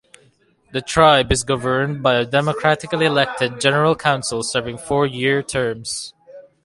The tribe is governed by a democratically elected general council, serving four-year terms.